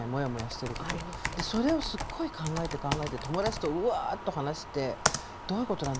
それをすっごい考えて考えて友達とウワッと話して「どういうことなんだ？